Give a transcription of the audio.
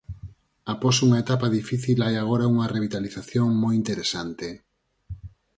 Após unha etapa difícil hai agora unha revitalización moi interesante.